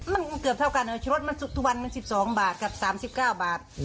มันเกือบเท่ากันนะชะรสมันสุกทุกวันมัน๑๒บาทกับ๓๙บาท